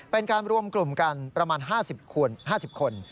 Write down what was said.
เป็นการรวมกลุ่มกันประมาณ๕๐คน